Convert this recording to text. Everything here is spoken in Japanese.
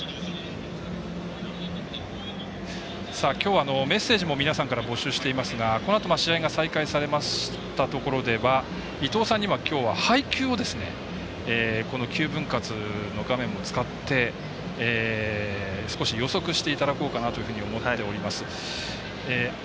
きょうはメッセージも皆さんから募集していますがこのあと、試合が再開されましたところでは伊東さんには配球をこの９分割の画面を使って少し予測していただこうかなというふうに思っております。